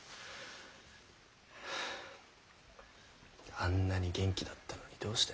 あんなに元気だったのにどうした？